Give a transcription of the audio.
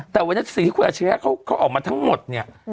แต่วัยละสิทธิหภูมิอาชิริยะเขาออกมาทั้งหมดเนี่ย